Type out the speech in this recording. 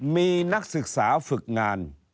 มีนักศึกษาฝึกงาน